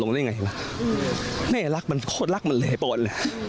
ลงได้ไงแม่รักมันโคตรรักมันเลยโปรด